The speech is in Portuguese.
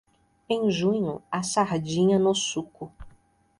Em junho, a sardinha no suco.